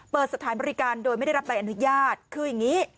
เปิดสถานบริการโดยไม่ได้รับใบอนุญาตคืออย่างนี้